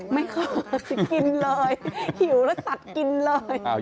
ไม่ค่อยกินเลยหิวแล้วสัตว์กินเลย